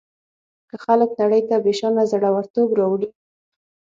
که خلک نړۍ ته بېشانه زړه ورتوب راوړي.